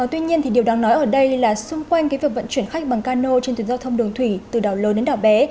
tuy nhiên điều đáng nói ở đây là xung quanh việc vận chuyển khách bằng cano trên tuyến giao thông đường thủy từ đảo lớn đến đảo bé